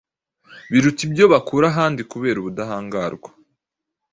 biruta ibyo bakura ahandi kubera ubudahangarwa